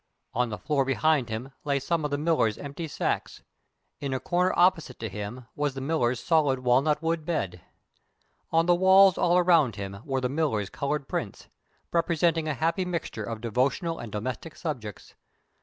On the floor behind him lay some of the miller's empty sacks. In a corner opposite to him was the miller's solid walnut wood bed. On the walls all around him were the miller's colored prints, representing a happy mixture of devotional and domestic subjects.